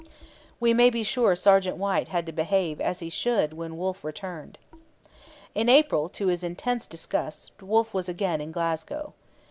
We may be sure 'Sergt. White' had to behave 'as Hee should' when Wolfe returned! In April, to his intense disgust, Wolfe was again in Glasgow.